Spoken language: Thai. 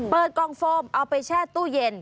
กล่องโฟมเอาไปแช่ตู้เย็น